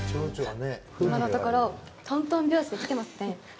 今のところとんとん拍子で来てますね。